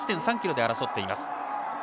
１．３ｋｍで争っています。